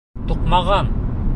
Туҡмаған!